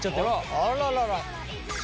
あららら。